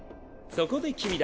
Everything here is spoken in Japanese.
そこで君だ。